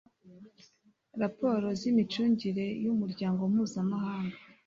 raporo z imicungire y umuryango mpuzamahanga